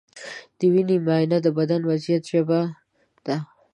د وینې معاینه د بدن د وضعیت ژبه ده.